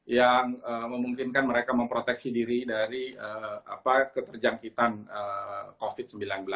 yang memungkinkan mereka memproteksi diri dari keterjangkitan covid sembilan belas